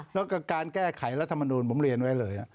แล้วก็การแก้ไขรัฐมนูลผมเรียนไว้เลย